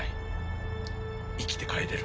生きて帰れる。